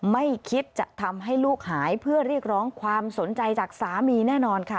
ไม่คิดจะทำให้ลูกหายเพื่อเรียกร้องความสนใจจากสามีแน่นอนค่ะ